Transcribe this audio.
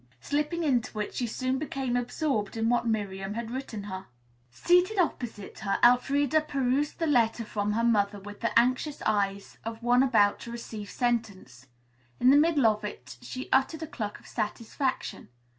Slipping into it she soon became absorbed in what Miriam had written her. Seated opposite her, Elfreda perused the letter from her mother with the anxious eye of one about to receive sentence. In the middle of it she uttered a cluck of satisfaction.